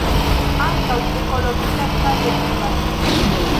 Ankaŭ ekologia kaj eduka.